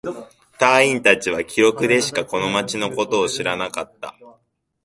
隊員達は記録でしかこの町のことを知らなかった。